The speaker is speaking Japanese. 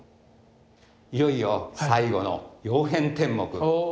いよいよ最後の「曜変天目」。